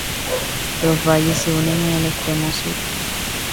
Los valles se unen en el extremo sur.